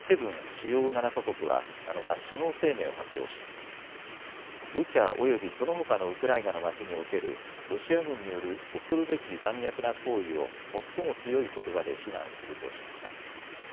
・主要７か国は７日、首脳声明を発表しブチャ、およびそのほかのウクライナの街におけるロシア軍による恐るべき残虐な行為を最も強いことばで非難するとしました。